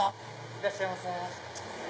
いらっしゃいませ。